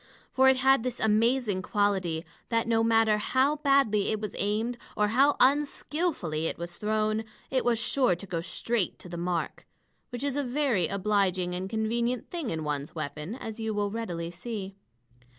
For it had this amazing quality, that no matter how badly it was aimed, or how unskillfully it was thrown, it was sure to go straight to the mark which is a very obliging and convenient thing in one's weapon, as you will readily see.